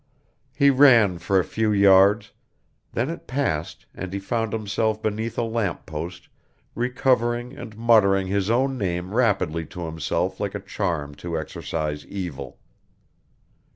He ran for a few yards then it passed and he found himself beneath a lamp post recovering and muttering his own name rapidly to himself like a charm to exorcise evil.